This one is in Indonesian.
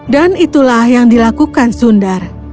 dan itulah yang dilakukan sundar